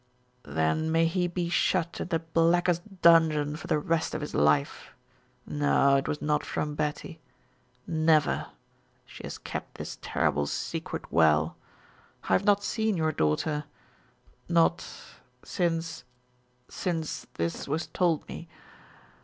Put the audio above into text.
"Then may he be shut in the blackest dungeon for the rest of his life. No, it was not from Betty. Never. She has kept this terrible secret well. I have not seen your daughter not since since this was told me.